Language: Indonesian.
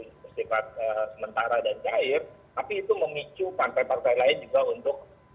bersifat sementara dan cair tapi itu memicu partai partai lain juga untuk